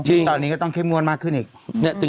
ซึ่งตอนนี้ก็ต้องเข้มงวดมากขึ้นอีก